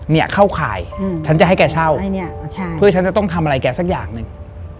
เนี่ยเข้าข่ายฉันจะให้แกเช่าเพื่อฉันจะต้องทำอะไรแกสักอย่างหนึ่ง